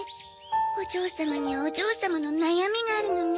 お嬢様にはお嬢様の悩みがあるのねえ。